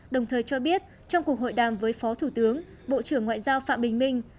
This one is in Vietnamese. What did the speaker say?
đồng thời cho biết trong cuộc hội đàm với phó thủ tướng bộ trưởng ngoại giao phạm bình minh